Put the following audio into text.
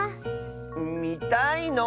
みたいの？